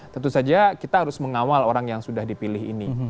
tentu saja kita harus mengawal orang yang sudah dipilih ini